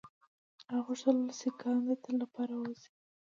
هغه غوښتل سیکهان د تل لپاره وځپي.